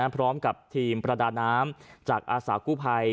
พร้อมกับทีมประดาน้ำจากอาสากู้ภัย